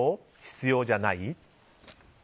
必要じゃない？